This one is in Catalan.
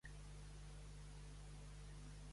"Adaptat de Gray E et al.